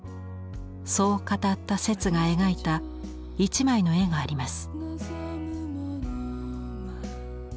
そう語った摂が描いた一枚の絵があります。